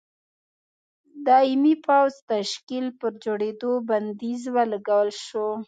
دایمي پوځي تشکیل پر جوړېدو بندیز ولګول شو.